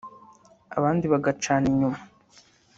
abandi bagacana inyuma